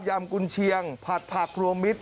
ำกุญเชียงผัดผักรวมมิตร